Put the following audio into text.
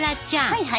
はいはい。